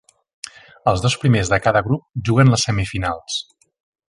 Els dos primers de cada grup juguen les semifinals.